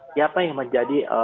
siapa yang menjadi